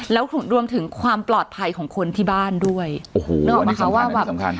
แล้วรวมถึงความปลอดภัยของคนที่บ้านด้วยโอ้โหอันนี้สำคัญอันนี้สำคัญ